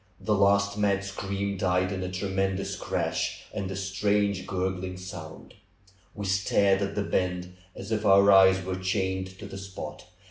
The last mad scream died in a tremendous crash and a strange gurgling sound. We stared at the bend as if our eyes were chained to the spot.